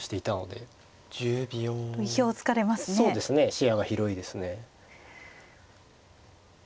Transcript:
視野が広いですね。